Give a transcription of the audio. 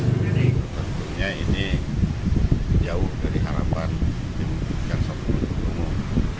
tentunya ini jauh dari harapan tim jaksa penuntut umum